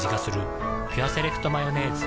「ピュアセレクトマヨネーズ」